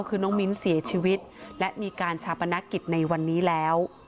คือน้องมิ้นเสียชีวิตและมีการชาปนกิจในวันนี้แล้ว